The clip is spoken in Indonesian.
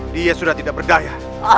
dia sudah tidak berdaya